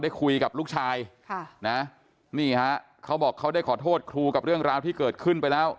คุยกับลูกชายค่ะนะนี่ฮะเขาบอกเขาได้ขอโทษครูกับเรื่องราวที่เกิดขึ้นไปแล้ว